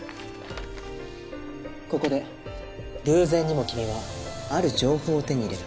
ここで偶然にも君はある情報を手に入れた。